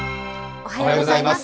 おはようございます。